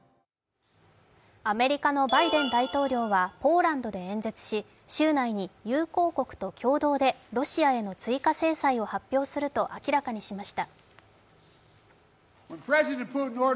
アメリカのバイデン大統領はポーランドで演説し、週内に、友好国と共同でロシアへの追加制裁を発表すると明らかにしました。